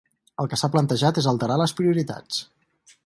El que s’ha plantejat és alterar les prioritats.